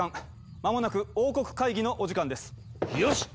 間もなく王国会議のお時間です。